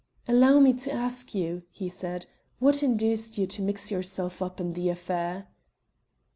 "Allow me to ask you," he said, "what induced you to mix yourself up in the affair?"